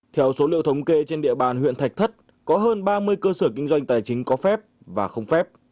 theo số liệu thống kê trên địa bàn huyện thạch thất có hơn ba mươi cơ sở kinh doanh tài chính có phép và không phép